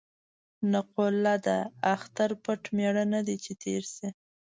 نقوله ده: اختر پټ مېړه نه دی چې تېر شي.